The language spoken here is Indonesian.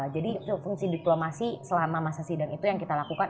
jadi fungsi diplomasi selama masa sidang itu yang kita lakukan